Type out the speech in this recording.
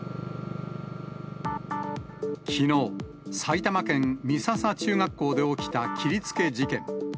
きのう、埼玉県、美笹中学校で起きた切りつけ事件。